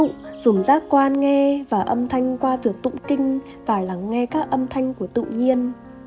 của các giác quan ví dụ dùng giác quan nghe và âm thanh qua việc tụng kinh và lắng nghe các âm thanh của tự nhiên